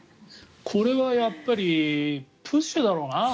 これはやっぱりプッシュだな。